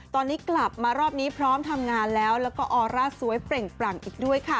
ตอนนี้กลับมารอบนี้พร้อมทำงานแล้วแล้วก็ออร่าสวยเปล่งปลั่งอีกด้วยค่ะ